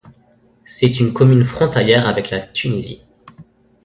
C’est une commune frontalière avec la Tunisie.